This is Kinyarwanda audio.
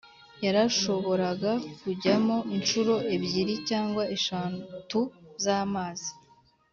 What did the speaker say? Yarashoboraga kujyamo incuro ebyiri cyangwa eshatu z amazi